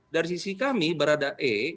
dari sisi kami berada e